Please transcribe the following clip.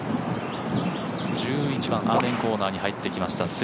１１番、アーメンコーナーに入ってきました。